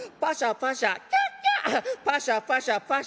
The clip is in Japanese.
『パシャパシャパシャ』。